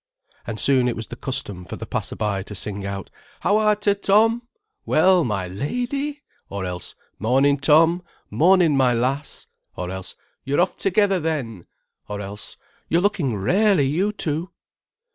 And soon it was the custom for the passerby to sing out: "How are ter, Tom? Well, my lady!" or else, "Mornin', Tom, mornin', my Lass!" or else, "You're off together then?" or else, "You're lookin' rarely, you two."